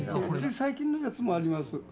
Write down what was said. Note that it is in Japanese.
最近のやつもあります。